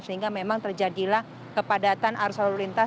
sehingga memang terjadilah kepadatan arus lalu lintas